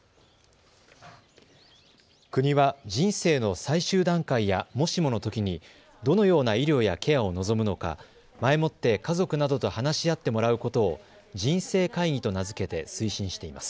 国は人生の最終段階やもしものときにどのような医療やケアを望むのか前もって家族などと話し合ってもらうことを人生会議と名付けて推進しています。